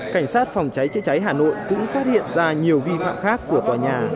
cảnh sát phòng cháy chữa cháy hà nội cũng phát hiện ra nhiều vi phạm khác của tòa nhà